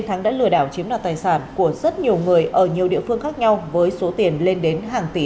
thắng đã lừa đảo chiếm đoạt tài sản của rất nhiều người ở nhiều địa điểm